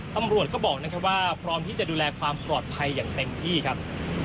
ตำรวจก็บอกนะครับว่าพร้อมที่จะดูแลความปลอดภัยอย่างเต็มที่ครับ